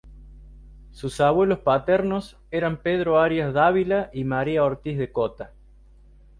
Sus abuelos paternos eran Pedro Arias Dávila y María Ortiz de Cota.